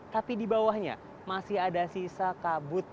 tapi di bawahnya masih ada sisa kabut